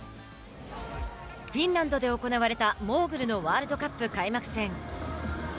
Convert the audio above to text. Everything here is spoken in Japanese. フィンランドで行われたモーグルのワールドカップ開幕戦。